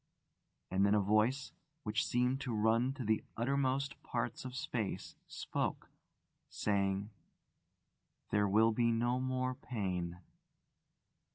And then a voice, which seemed to run to the uttermost parts of space, spoke, saying, "There will be no more pain."